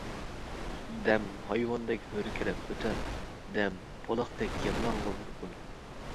دەم ھايۋاندەك ھۆركىرەپ ئۆتەر، دەم بۇلاقتەك يىغلاڭغۇ بىر ئۈن.